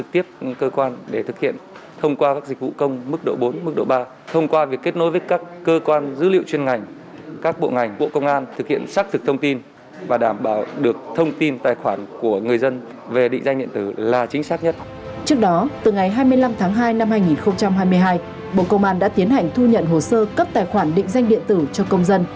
trước đó từ ngày hai mươi năm tháng hai năm hai nghìn hai mươi hai bộ công an đã tiến hành thu nhận hồ sơ cấp tài khoản định danh điện tử cho công dân